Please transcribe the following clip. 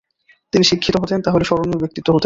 তিনি শিক্ষিত হতেন, তাহলে স্মরণীয় ব্যক্তিত্ব হতেন।